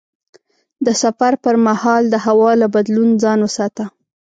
د سفر پر مهال د هوا له بدلون ځان وساته.